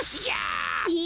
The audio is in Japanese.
え！